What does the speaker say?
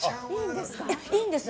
いいんです。